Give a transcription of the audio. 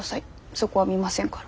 そこは見ませんから。